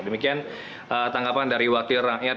demikian tanggapan dari wakil rakyat